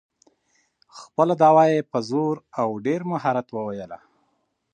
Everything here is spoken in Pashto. خپله دعوه یې په زور او ډېر مهارت وویله.